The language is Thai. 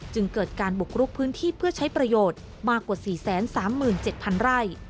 จึงเกิดการบุกรุกพื้นที่เพื่อใช้ประโยชน์มากกว่า๔๓๗๐๐ไร่